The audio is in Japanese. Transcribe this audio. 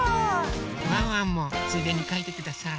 ワンワンもついでにかいてください。